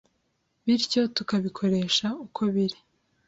bityo tukabikoresha uko biri